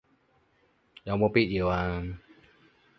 有冇必要啊